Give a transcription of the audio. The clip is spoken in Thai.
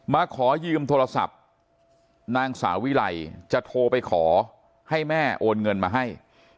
มาขอยืมโทรศัพท์นางสาวิไลจะโทรไปขอให้แม่โอนเงินมาให้